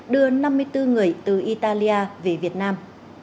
đưa năm mươi bốn người từ italia về việt nam